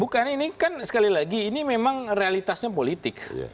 bukan ini kan sekali lagi ini memang realitasnya politik